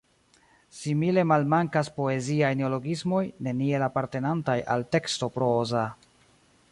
Simile malmankas poeziaj neologismoj, neniel apartenantaj al teksto proza.